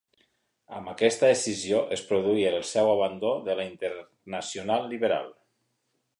Amb aquesta escissió es produí el seu abandó de la Internacional Liberal.